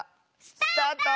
スタート！